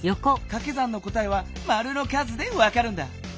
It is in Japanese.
かけ算の答えはマルの数でわかるんだ。